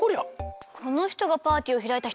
このひとがパーティーをひらいたひとかな？